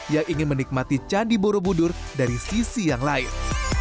yang ingin menikmati candi borobudur dari sisi yang lain